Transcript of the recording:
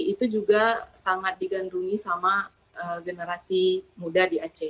itu juga sangat digandrungi sama generasi muda di aceh